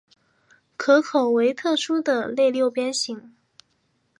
壳口为特殊的类六边形。